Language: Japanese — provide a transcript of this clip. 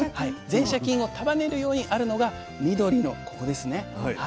前斜筋を束ねるようにあるのが緑のここですね